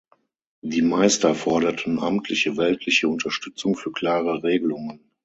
Die Meister forderten amtliche, weltliche Unterstützung für klare Regelungen.